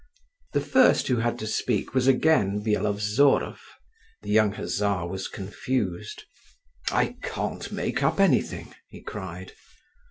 The first who had to speak was again Byelovzorov. The young hussar was confused. "I can't make up anything!" he cried.